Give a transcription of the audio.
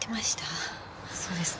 そうですか。